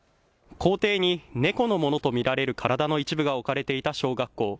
校庭に猫のものと見られる体の一部が置かれていた小学校。